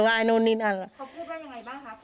เขาพูดว่ายังไงบ้างคะคุณบ้าน